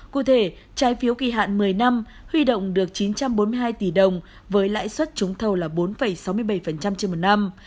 cụ thể trái phiếu kỳ hạn một mươi năm huy động được chín trăm bốn mươi hai tỷ đồng với lãi suất trúng thầu là bốn sáu mươi bảy trên một năm